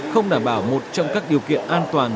không đảm bảo một trong các điều kiện an toàn